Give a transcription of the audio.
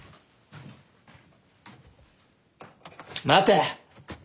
待て！